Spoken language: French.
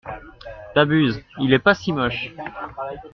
T'abuses, il est pas si moche.